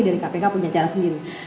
dari kpk punya cara sendiri